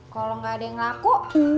kalau nggak ada yang laku